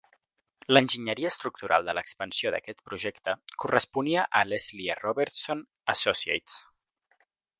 L'enginyeria estructural de l'expansió d'aquest projecte corresponia a Leslie E. Robertson Associates.